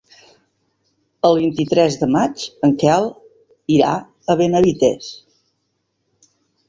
El vint-i-tres de maig en Quel irà a Benavites.